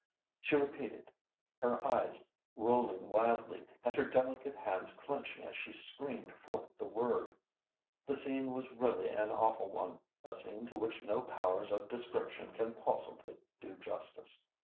she repeated, her eyes rolling wildly, and her delicate hands clenching as she screamed forth the word. The scene was really an awful one—a scene to which no powers of description can possibly do justice.